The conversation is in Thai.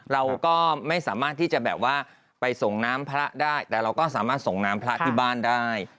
เราก็ไม่สามารถที่จะแบบว่าไปส่งน้ำพระได้แต่เราก็สามารถส่งน้ำพระที่บ้านได้